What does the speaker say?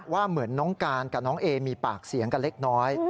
เหมือนน้องการกับน้องเอมีปากเสียงกันเล็กน้อย